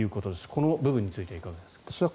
この部分についてはいかがですか？